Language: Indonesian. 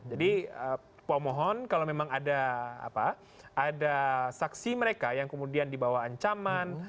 pemohon kalau memang ada saksi mereka yang kemudian dibawa ancaman